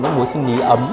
nước muối sinh lý ấm